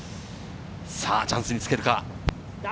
チャンスにつけるか？